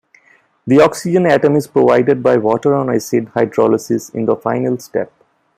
The oxygen atom is provided by water on acid hydrolysis in the final step.